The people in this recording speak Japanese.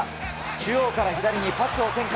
中央から左にパスを展開。